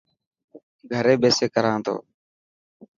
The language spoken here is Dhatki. گهري ٻيسي ڪران تو.